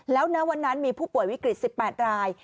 แล้วณวันนั้นมีผู้ป่วยวิกฤต๑๘ราย